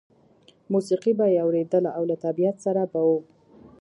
موسیقي به یې اورېدله او له طبیعت سره به و